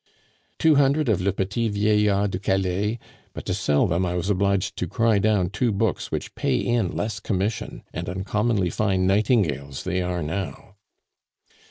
"Two hundred of Le Petit Vieillard de Calais, but to sell them I was obliged to cry down two books which pay in less commission, and uncommonly fine 'nightingales' they are now."